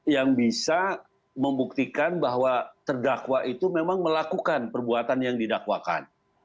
yang bisa membuktikan bahwa terdakwa itu memang melakukan perbuatan yang didakwakan